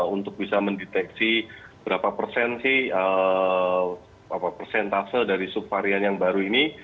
untuk bisa mendeteksi berapa persen sih persentase dari subvarian yang baru ini